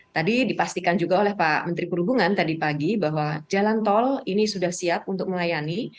tadi dipastikan juga oleh pak menteri perhubungan tadi pagi bahwa jalan tol ini sudah siap untuk melayani